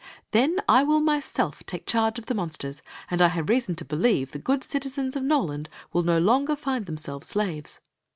"Then I will myself take charge of the monsters; and I have reason to believe the good citizens of No land will no longer find themselves slaves."